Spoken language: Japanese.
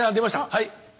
はい。